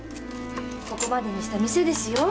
ここまでにした店ですよ。